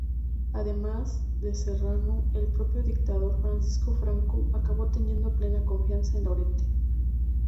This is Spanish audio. Además de Serrano, el propio dictador Francisco Franco acabó teniendo plena confianza en Lorente.